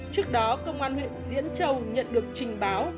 trước đó công an huyện diễn châu nhận được trình báo